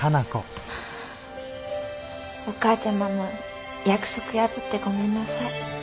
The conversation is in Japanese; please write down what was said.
お母ちゃまも約束破ってごめんなさい。